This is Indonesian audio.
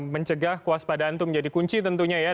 mencegah kewaspadaan itu menjadi kunci tentunya ya